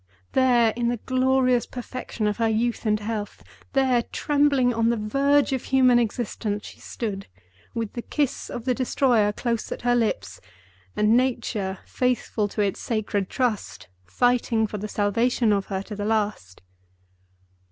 There, in the glorious perfection of her youth and health—there, trembling on the verge of human existence, she stood; with the kiss of the Destroyer close at her lips, and Nature, faithful to its sacred trust, fighting for the salvation of her to the last.